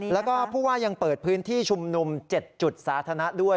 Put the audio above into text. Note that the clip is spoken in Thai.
แล้วก็ผู้ว่ายังเปิดพื้นที่ชุมนุม๗จุดสาธารณะด้วย